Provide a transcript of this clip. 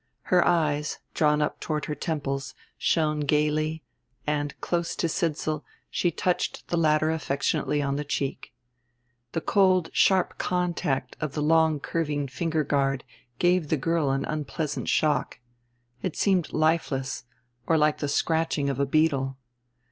Her eyes, drawn up toward her temples, shone gayly; and, close to Sidsall, she touched the latter affectionately on the cheek. The cold sharp contact of the long curving finger guard gave the girl an unpleasant shock. It seemed lifeless, or like the scratching of a beetle.